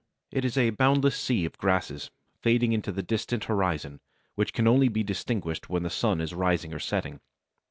"It is a boundless sea of grasses fading into the distant horizon, which can only be distinguished when the sun is rising or setting."